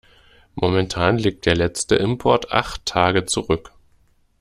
Momentan liegt der letzte Import acht Tage zurück.